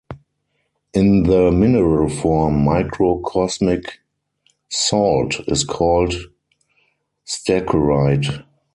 In the mineral form, microcosmic salt is called stercorite.